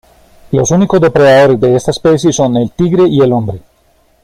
Los únicos depredadores de esta especie son el tigre y el hombre.